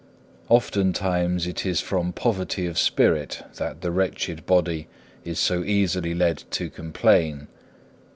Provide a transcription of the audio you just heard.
6. Oftentimes it is from poverty of spirit that the wretched body is so easily led to complain.